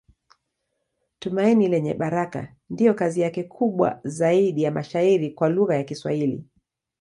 Tumaini Lenye Baraka ndiyo kazi yake kubwa zaidi ya mashairi kwa lugha ya Kiswahili.